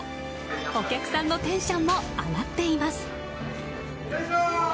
お客さんのテンションも上がっています。